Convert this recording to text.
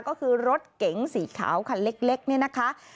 ก็คือรถเก๋งสีขาวคันเล็ก